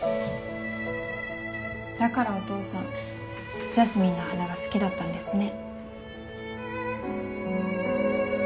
だからお父さんジャスミンの花が好きだったんですね。